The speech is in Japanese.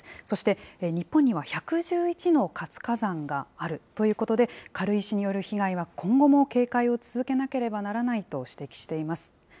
そして、日本には１１１の活火山があるということで、軽石による被害は今後も警戒を続けなければならないと指摘しています。